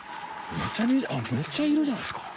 めっちゃいるじゃないですか！